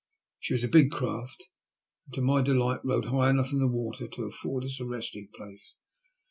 She was a big craft, and, to my delight, rode high enough out of the water to afford us a resting place.